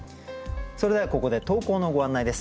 それではここで投稿のご案内です。